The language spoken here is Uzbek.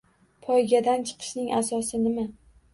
Poygadan chiqishning asosi nima